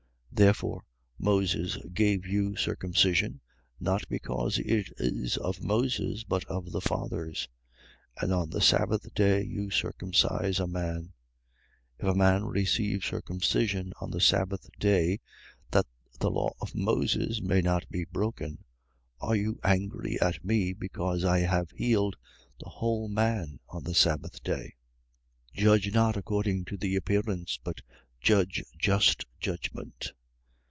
7:22. Therefore, Moses gave you circumcision (not because it is of Moses, but of the fathers): and on the sabbath day you circumcise a man. 7:23. If a man receive circumcision on the sabbath day, that the law of Moses may not be broken: are you angry at me, because I have healed the whole man on the sabbath day? 7:24. Judge not according to the appearance: but judge just judgment.